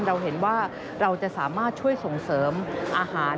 เราเห็นว่าเราจะสามารถช่วยส่งเสริมอาหาร